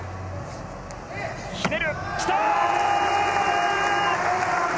ひねる、きた！